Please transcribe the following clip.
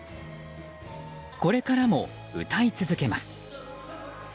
これからも歌い続けます。